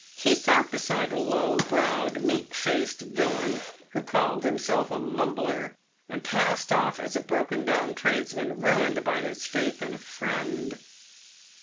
He sat beside a low browed, meek faced villain, who called himself a " mumbler," and passed off as a broken down tradesman, ruined by his faith in a friend.